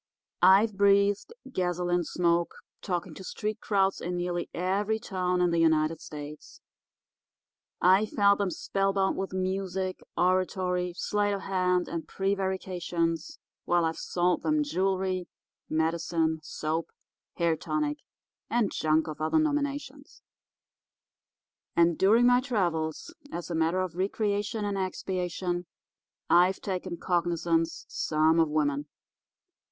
I've breathed gasoline smoke talking to street crowds in nearly every town in the United States. I've held 'em spellbound with music, oratory, sleight of hand, and prevarications, while I've sold 'em jewelry, medicine, soap, hair tonic, and junk of other nominations. And during my travels, as a matter of recreation and expiation, I've taken cognisance some of women.